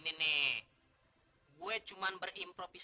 nah gak usah tampang muka polos deh